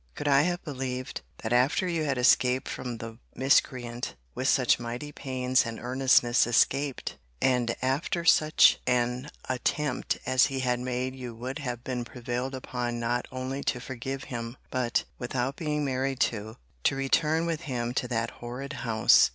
—Could I have believed, that after you had escaped from the miscreant, (with such mighty pains and earnestness escaped,) and after such an attempt as he had made, you would have been prevailed upon not only to forgive him, but (without being married too) to return with him to that horrid house!